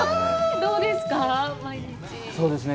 どうですか。